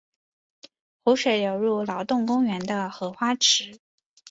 湖水流入劳动公园的荷花池。